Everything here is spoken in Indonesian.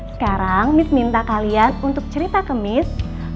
sekarang saya minta kalian untuk cerita ke saya